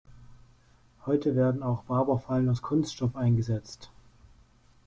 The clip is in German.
Heute werden auch Barber-Fallen aus Kunststoff eingesetzt.